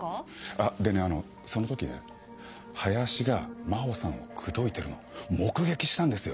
あっでねあのその時ね林が真帆さんを口説いてるの目撃したんですよ。